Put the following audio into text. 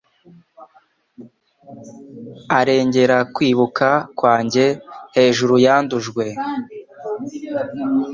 arengera kwibuka kwanjye hejuru yandujwe